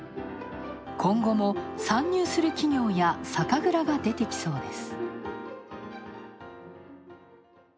今後も参入する企業や酒蔵が出てきそうです。